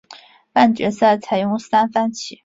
半决赛采用三番棋。